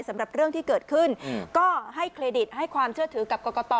สำหรับเรื่องที่เกิดขึ้นก็ให้เครดิตให้ความเชื่อถือกับกรกต